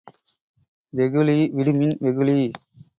வெகுளி விடுமின் வெகுளி!